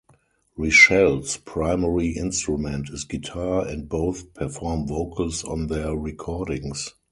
Rishell's primary instrument is guitar, and both perform vocals on their recordings.